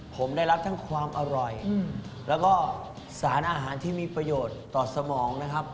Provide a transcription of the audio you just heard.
ผมได้รับทั้งความอร่อยแล้วก็สารอาหารที่มีประโยชน์ต่อสมองนะครับ